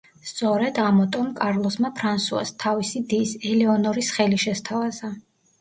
სწორედ, ამოტომ კარლოსმა ფრანსუას, თავისი დის, ელეონორის ხელი შესთავაზა.